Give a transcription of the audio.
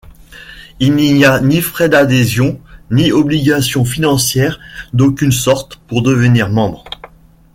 Il n'y a ni frais d'adhésion ni obligation financière d'aucune sorte pour devenir membre.